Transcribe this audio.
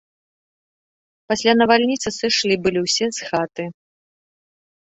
Пасля навальніцы сышлі былі ўсе з хаты.